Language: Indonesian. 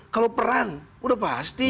kalau perang sudah pasti